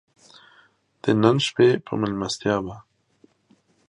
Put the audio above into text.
د نن شپې په مېلمستیا به.